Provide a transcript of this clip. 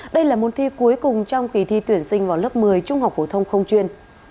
đây là môn thi cuối cùng trong kỳ thi tuyển sinh vào lớp một mươi trung học phổ thông không chuyên